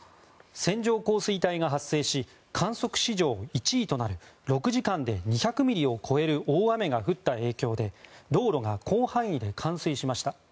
線状降水帯が発生し観測史上１位となる６時間で２００ミリを超える大雨が降った影響で道路が広範囲で冠水しました。